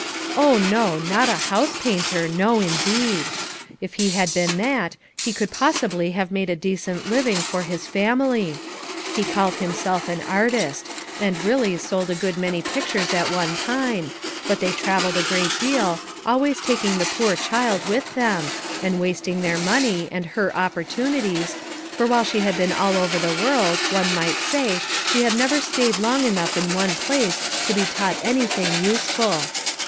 Oh, no, not a 7iou5e painter, no indeed ! if he had been that, he could probably have made a decent living for his family. He called himself an artist, and really sold a good many pictures at one time ; but they traveled a great deal, always taking the poor child with FOUR MOTHERS AT CHAUTAUQUA 259 them, and wasting their money and her oppor tunities, for while she had been all over the world, one might say, she had never stayed long enough in one place to he taught anything use° ful.